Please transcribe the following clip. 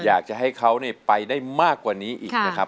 อยากจะให้เขาไปได้มากกว่านี้อีกนะครับ